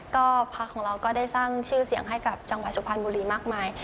ก็พักของเราก็ได้สร้างชื่อเสียงให้กับจังหวัดสุพรรณบุรีมากมาย